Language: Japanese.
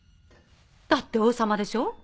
だって王様でしょ。